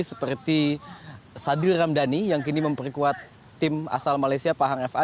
seperti sadil ramdhani yang kini memperkuat tim asal malaysia pahang fa